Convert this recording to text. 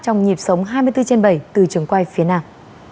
trong nhịp sống hai mươi bốn trên bảy từ trường quay phía nam